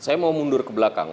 saya mau mundur ke belakang